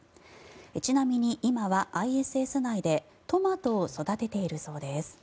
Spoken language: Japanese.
ちなみに今はＩＳＳ内でトマトを育てているそうです。